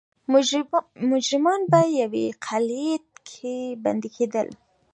مجرمان به په یوې قلعې کې بندي کېدل.